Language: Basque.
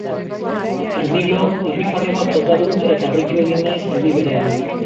Erdi lo irrifarre bat bota dut eta harritu egin naiz aldi berean.